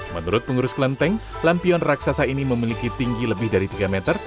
menurut pengurus kelenteng lampion raksasa ini memiliki tinggi lebih dari tiga meter